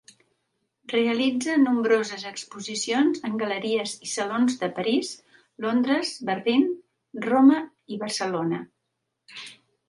Realitza nombroses exposicions en galeries i salons de París, Londres, Berlín, Roma i Barcelona.